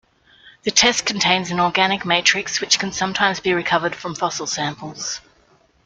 The test contains an organic matrix, which can sometimes be recovered from fossil samples.